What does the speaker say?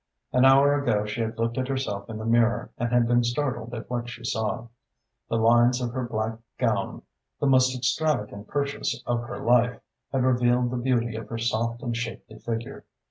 An hour ago she had looked at herself in the mirror and had been startled at what she saw. The lines of her black gown, the most extravagant purchase of her life, had revealed the beauty of her soft and shapely figure.